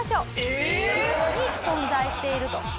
ええー！に存在していると。